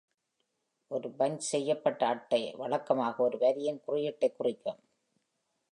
ஒரு பன்ச் செய்யப்பட்ட அட்டை வழக்கமாக ஒரு வரியின் குறியீட்டைக் குறிக்கும்.